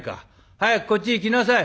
早くこっちへ来なさい」。